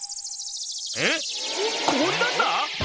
「えっ凍り出した⁉」